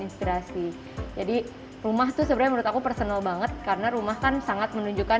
inspirasi jadi rumah tuh sebenarnya menurut aku personal banget karena rumah kan sangat menunjukkan